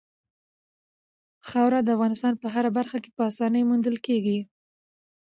خاوره د افغانستان په هره برخه کې په اسانۍ موندل کېږي.